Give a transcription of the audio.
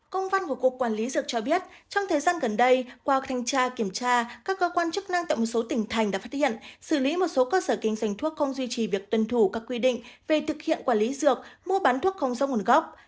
công văn của cục quản lý dược cho biết trong thời gian gần đây qua thanh tra kiểm tra các cơ quan chức năng tại một số tỉnh thành đã phát hiện xử lý một số cơ sở kinh doanh thuốc không duy trì việc tuân thủ các quy định về thực hiện quản lý dược mua bán thuốc không rõ nguồn gốc